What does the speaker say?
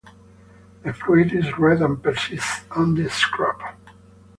The fruit is red and persists on the shrub.